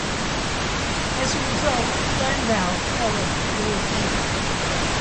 As a result, Landau fell two days later.